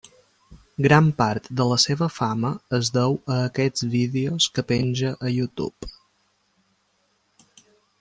Gran part de la seva fama es deu a aquests vídeos que penja a YouTube.